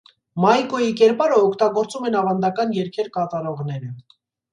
Մայկոյի կերպարը օգտագործում են ավանդական երգեր կատարողները։